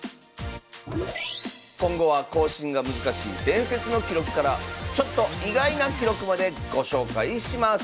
今後は更新が難しい伝説の記録からちょっと意外な記録までご紹介します